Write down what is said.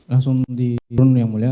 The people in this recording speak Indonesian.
langsung di turun yang mulia